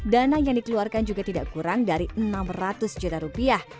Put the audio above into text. dana yang dikeluarkan juga tidak kurang dari enam ratus juta rupiah